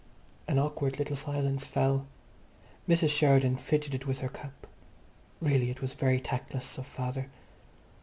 An awkward little silence fell. Mrs. Sheridan fidgeted with her cup. Really, it was very tactless of father....